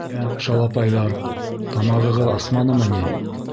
— Йә, шалапайҙар, тамағығыҙ асманымы ни?